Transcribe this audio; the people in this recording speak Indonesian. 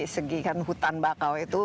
segi kan hutan bakau itu